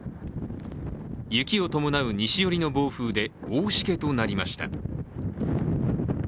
雪を伴う西寄りの暴風で大しけとなりました。